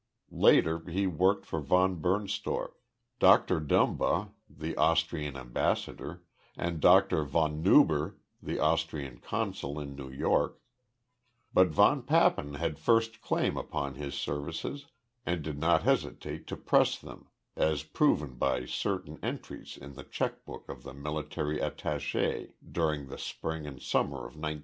Later, he worked for von Bernstorff; Doctor Dumba, the Austrian ambassador; and Doctor von Nuber, the Austrian consul in New York but von Papen had first claim upon his services and did not hesitate to press them, as proven by certain entries in the checkbook of the military attaché during the spring and summer of 1915.